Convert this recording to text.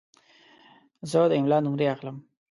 زه د املا نمرې اخلم.